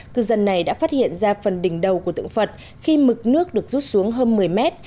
cư dân này đã phát hiện ra phần đỉnh đầu của tượng phật khi mực nước được rút xuống hơn một mươi mét